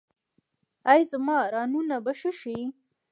ایا زما رانونه به ښه شي؟